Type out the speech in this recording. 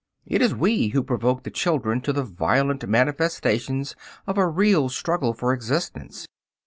It is we who provoked the children to the violent manifestations of a real struggle for existence.